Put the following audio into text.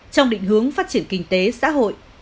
trong định hướng phát triển kinh tế xã hội